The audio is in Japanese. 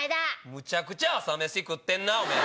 むちゃくちゃ朝飯食ってるなおめぇ。